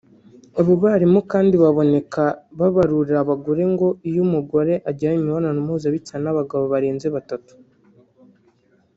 Abo barimu kandi baboneka baburira abagore ngo iyo umugore agiranye imibonano mpuzabitsina n’abagabo barenze batatu